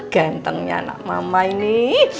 gantengnya anak mama ini